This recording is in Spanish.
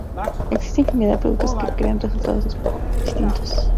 Existe infinidad de productos que crean resultados distintos.